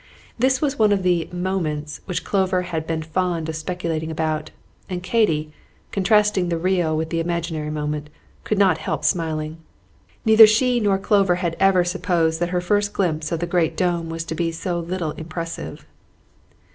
This was one of the "moments" which Clover had been fond of speculating about; and Katy, contrasting the real with the imaginary moment, could not help smiling. Neither she nor Clover had ever supposed that her first glimpse of the great dome was to be so little impressive.